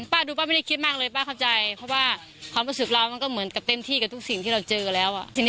ดูป้าไม่ได้คิดมากเลยป้าเข้าใจเพราะว่าความรู้สึกเรามันก็เหมือนกับเต็มที่กับทุกสิ่งที่เราเจอแล้ว